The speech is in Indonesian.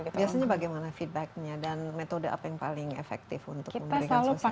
biasanya bagaimana feedbacknya dan metode apa yang paling efektif untuk memberikan sosialisasi